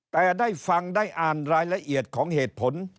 แต่ได้ฟังได้อ่านรายละเอียดของเหตุผล